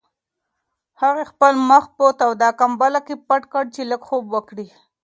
هغې خپل مخ په توده کمپله کې پټ کړ چې لږ خوب وکړي.